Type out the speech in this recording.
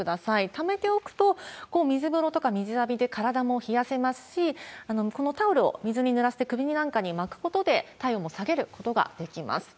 ためておくと、水風呂とか水浴びで体も冷やせますし、このタオルを水に濡らして、首なんかに巻くことで、体温も下げることができます。